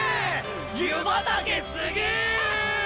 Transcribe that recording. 湯畑すげぇ！